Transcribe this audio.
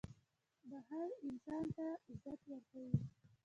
• بښل انسان ته عزت ورکوي.